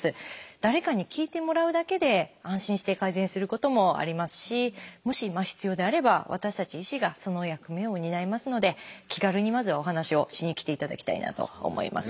誰かに聞いてもらうだけで安心して改善することもありますしもし必要であれば私たち医師がその役目を担いますので気軽にまずはお話をしに来ていただきたいなと思います。